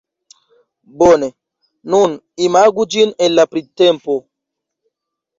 Bone, nun imagu ĝin en la printempo.